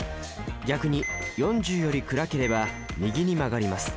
逆に４０より暗ければ右に曲がります。